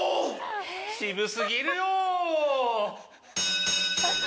渋過ぎるよ。